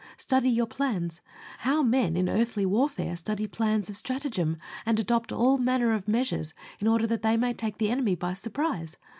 Study your plans. How men in earthly warfare study plans of stratagem, and adopt all manner of measures in order that they may take the enemy by surprise!